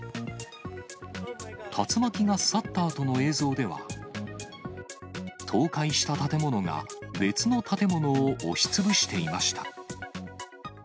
竜巻が去ったあとの映像では、倒壊した建物が別の建物を押しつぶしていました。